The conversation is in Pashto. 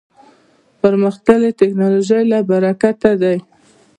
پرمختللې ټکنالوژۍ له برکته دی.